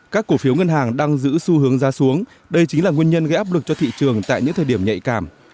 các cổ phiếu ngân hàng đang giữ xu hướng giá xuống đây chính là nguyên nhân gây áp lực cho thị trường tại những thời điểm nhạy cảm